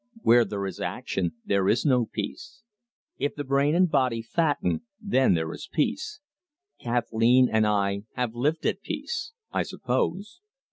"Where there is action there is no peace. If the brain and body fatten, then there is peace. Kathleen and I have lived at peace, I suppose.